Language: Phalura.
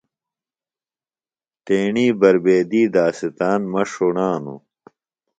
تیݨی بربیدی داستان مہ ݜوڻانوۡ۔